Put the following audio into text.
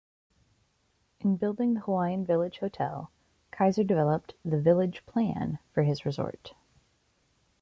In building the Hawaiian Village Hotel, Kaiser developed the "village plan" for his resort.